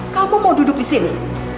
kamu mau duduk di sini